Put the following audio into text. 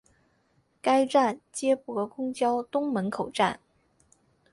该站接驳公交东门口站。